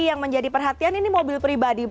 yang menjadi perhatian ini mobil pribadi